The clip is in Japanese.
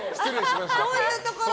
そういうところ！